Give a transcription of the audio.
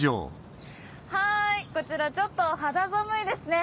はいこちらちょっと肌寒いですね。